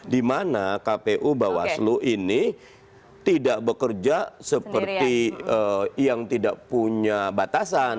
dimana kpu bawaslu ini tidak bekerja seperti yang tidak punya batasan